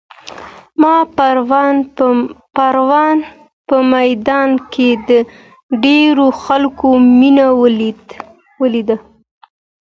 ما پرون په میدان کې د ډېرو خلکو مینه ولیده.